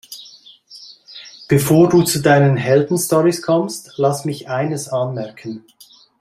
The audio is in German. Bevor du zu deinen Heldenstorys kommst, lass mich eines anmerken.